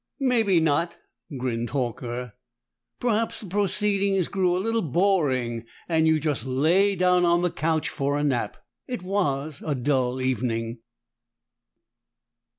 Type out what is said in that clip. "Maybe not," grinned Horker. "Perhaps the proceedings grew a little boring, and you just lay down on the couch for a nap. It was a dull evening."